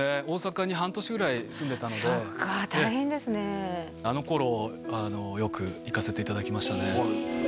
大阪に半年ぐらい住んでたのでそっか大変ですねあの頃よく行かせていただきましたね